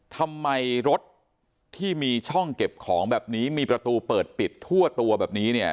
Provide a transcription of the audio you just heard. ทำไมรถที่มีช่องเก็บของแบบนี้มีประตูเปิดปิดทั่วตัวแบบนี้เนี่ย